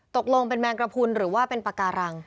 ตกลงเป็นแมงกระพุนหรือว่าเป็นปากการัง